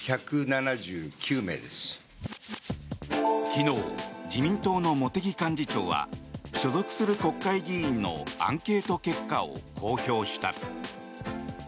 昨日、自民党の茂木幹事長は所属する国会議員のアンケート結果を公表した。